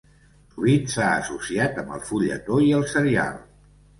Sovint s'ha associat amb el fulletó i el serial.